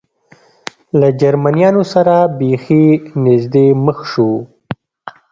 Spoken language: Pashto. له جرمنیانو سره بېخي نږدې مخ شو.